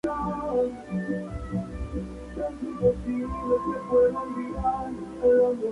Los comerciantes chinos y coreanos siguieron siendo bienvenidos, aunque tenían sus movimientos restringidos.